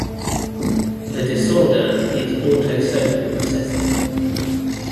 The disorder is autosomal recessive.